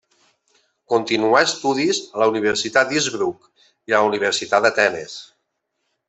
Continuà estudis a la Universitat d'Innsbruck i a la Universitat d'Atenes.